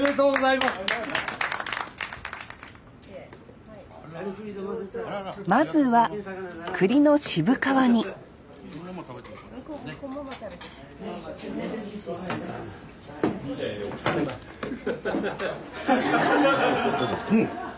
まずはくりの渋皮煮うん。